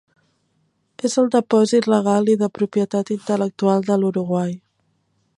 És el depòsit legal i de propietat intel·lectual de l'Uruguai.